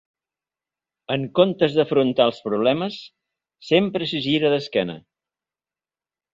En comptes d'afrontar els problemes, sempre s'hi gira d'esquena.